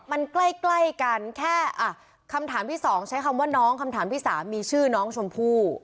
มันใกล้กันแค่คำถามที่๒ใช้คำว่าน้องคำถามที่๓มีชื่อน้องชมพู่